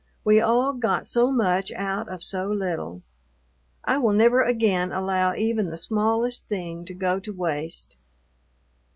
We all got so much out of so little. I will never again allow even the smallest thing to go to waste.